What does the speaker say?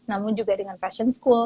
namun juga dengan fashion school